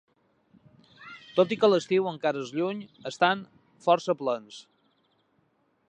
Tot i que l'estiu encara és lluny estan força plens.